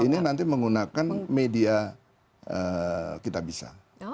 ini nanti menggunakan media kitabisa